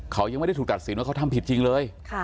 เขายังไม่ได้ถูกตัดสินว่าเขาทำผิดจริงเลย